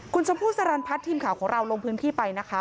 คุณชมพู่สรรพัฒน์ทีมข่าวของเราลงพื้นที่ไปนะคะ